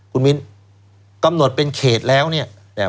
คุณมินทร์กำหนดเป็นเขตแล้วเนี้ยเนี้ย